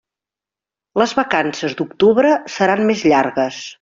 Les vacances d'octubre seran més llargues.